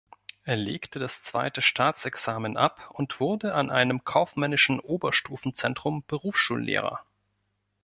Er legte das Zweite Staatsexamen ab und wurde an einem kaufmännischen Oberstufenzentrum Berufsschullehrer.